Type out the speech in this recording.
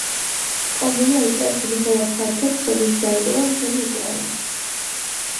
კომუნა იკავებს იმხელა ფართობს, რომ იქ დაეტევა მთელი უკრაინა.